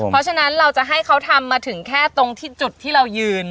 เพราะฉะนั้นเราจะให้เขาทำมาถึงแค่ตรงที่จุดที่เรายืน